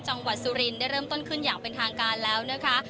สุรินได้เริ่มต้นขึ้นอย่างเป็นทางการแล้วนะคะ